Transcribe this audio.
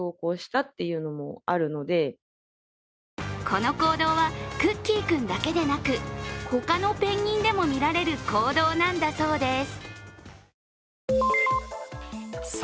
この行動はクッキー君だけではなく、他のペンギンでも見られる行動なんだそうです。